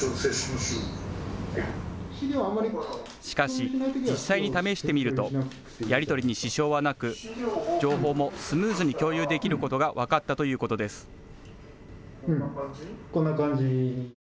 しかし実際に試してみるとやり取りに支障はなく情報もスムーズに共有できることが分かったということです。